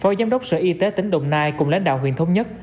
phó giám đốc sở y tế tỉnh đồng nai cùng lãnh đạo huyện thống nhất